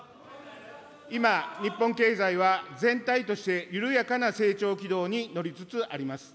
今、日本経済は全体として緩やかな成長軌道に乗りつつあります。